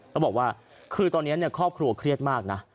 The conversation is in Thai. ต้องบอกว่าคือตอนนี้เนี่ยครอบครัวเครียดมากนะ